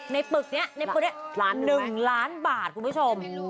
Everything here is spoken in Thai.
ในปึกเนี่ย๑ล้านบาทคุณผู้ชม